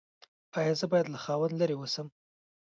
ایا زه باید له خاوند لرې اوسم؟